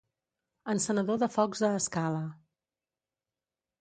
Encenedor de focs a escala.